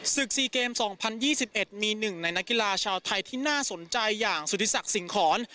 ศึกสี่เกมสองพันยี่สิบเอ็ดมีหนึ่งในนักกีฬาชาวไทยที่น่าสนใจอย่างสุธิศักดิ์สิงหรณ์